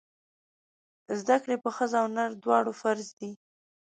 زده کړې په ښځه او نر دواړو فرض دی!